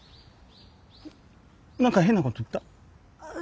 何か変なこと言った？